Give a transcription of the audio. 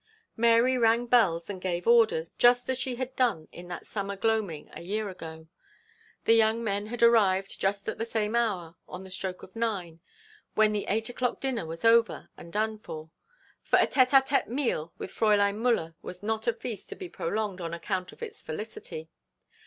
Mary rang bells and gave orders, just as she had done in that summer gloaming a year ago. The young men had arrived just at the same hour, on the stroke of nine, when the eight o'clock dinner was over and done with; for a tête à tête meal with Fräulein Müller was not a feast to be prolonged on account of its felicity.